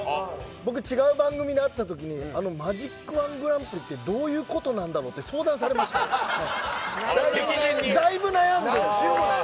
僕、違う番組で会ったときにマジック一本グランプリってどういうことなんだろうってだいぶ悩んで。